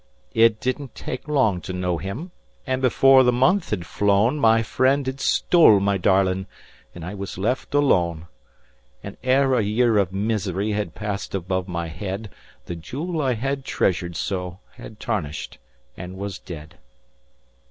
"It didn't take long to know him, and before the month had flown My friend had stole my darling, and I was left alone; And ere a year of misery had passed above my head, The jewel I had treasured so had tarnished and was dead.